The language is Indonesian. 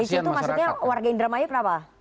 di situ maksudnya warga indramayu kenapa